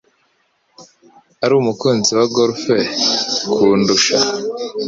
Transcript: Ari umukunzi wa golf kundusha.